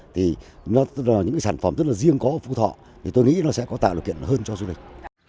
thì những sản phẩm rất là riêng có ở phú thọ tôi nghĩ nó sẽ có tạo điều kiện hơn cho du lịch